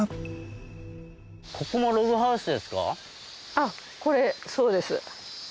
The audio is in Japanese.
あっこれそうです。